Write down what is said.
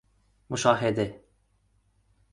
مشاهده